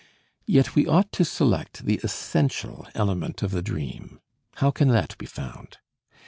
Yet we ought to select the essential element of the dream. How can that be found?